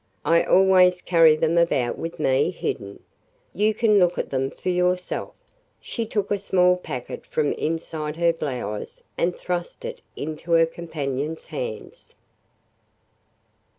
I always carry them about with me hidden. You can look at them for yourself." She took a small packet from inside her blouse and thrust it into her companion's hands.